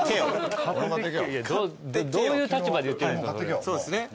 どういう立場で言ってんですか。